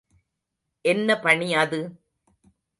என்ன பணி அது?